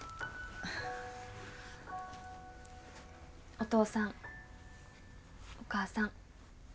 お父さんお母さん。